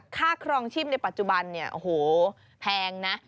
ครองชีพในปัจจุบันเนี่ยโอ้โหแพงนะ